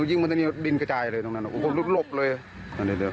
อ๋อยิงมาตรงนี้ดินกระจายเลยตรงนั้นโอ้ยลดลบเลยอันนี้เดี๋ยว